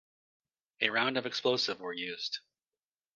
Around of explosive were used.